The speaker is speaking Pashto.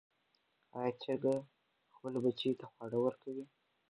آیا چرګه خپلو بچیو ته خواړه ورکوي؟